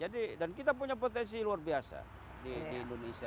dan kita punya potensi luar biasa di indonesia